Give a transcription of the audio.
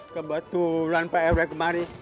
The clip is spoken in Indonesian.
kebetulan pak rw kemari